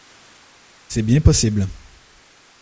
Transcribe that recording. C’est bien possible.